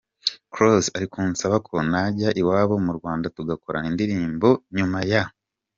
Close ari kunsaba ko najya iwabo mu Rwanda tugakorana indi ndirimbo nyuma ya.